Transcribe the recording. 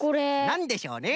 なんでしょうね？